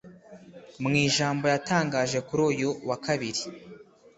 Mu ijambo yatangaje kuri uyu wa Kabiri